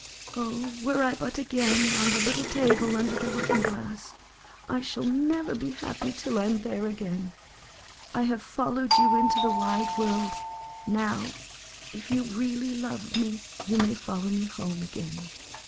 Oh, were I but again on the little table under the looking glass ! I shall never be happy till I am there again. I have follow ed you into the wide world; now if you really love me, you may follow me home again."